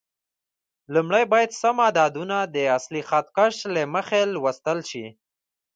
لومړی باید سم عددونه د اصلي خط کش له مخې لوستل شي.